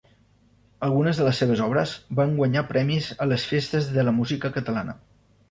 Algunes de les seves obres van guanyar premis a les Festes de la música catalana.